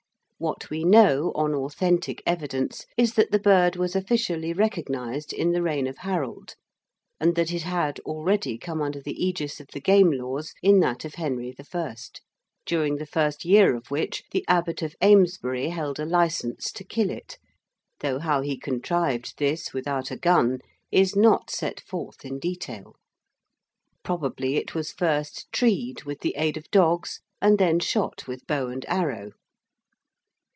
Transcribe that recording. What we know, on authentic evidence, is that the bird was officially recognised in the reign of Harold, and that it had already come under the ægis of the game laws in that of Henry I, during the first year of which the Abbot of Amesbury held a licence to kill it, though how he contrived this without a gun is not set forth in detail. Probably it was first treed with the aid of dogs and then shot with bow and arrow.